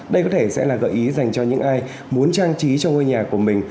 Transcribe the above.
đây có thể sẽ là gợi ý dành cho những ai muốn trang trí cho ngôi nhà của mình